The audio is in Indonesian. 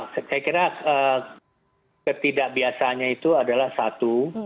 saya kira ketidakbiasaannya itu adalah satu